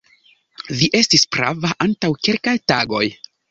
Vi estis prava antaŭ kelkaj tagoj.